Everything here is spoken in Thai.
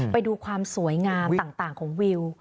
ไปดูความสวยงามต่างของวิว